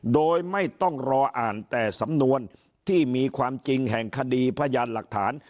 โดยไม่ต้องรออ่านแต่สำนวนที่มีความจริงแห่งคดีพยานหลักฐาน